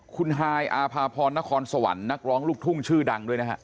คุณฮายอาภาพรนครสวรรค์นักร้องลูกทุ่งชื่อดังด้วยนะฮะ